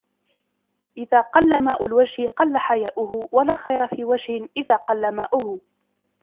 إذا قل ماء الوجه قل حياؤه ولا خير في وجه إذا قل ماؤه